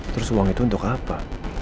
terus uang itu untuk apa